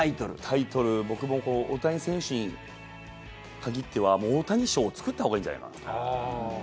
タイトル、僕も大谷選手に限っては大谷賞を作ったほうがいいんじゃないかなと思って。